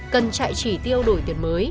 cần chạy chỉ tiêu đổi tiền mới